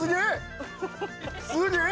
すげえ！